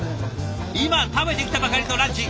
今食べてきたばかりのランチ